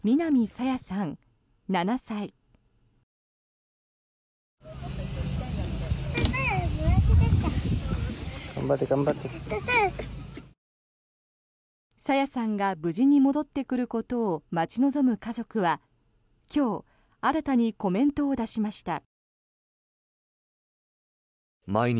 朝芽さんが無事に戻ってくることを待ち望む家族は今日、新たにコメントを出しました。